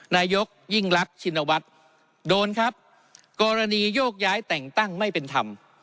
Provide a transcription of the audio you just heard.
นายกยิ่งรักชินวัฒน์โดนครับกรณีโยกย้ายแต่งตั้งไม่เป็นธรรม